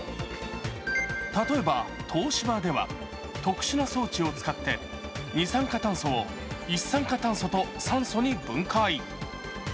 例えば東芝では特殊な装置を使って二酸化炭素を一酸化炭素と酸素に分解。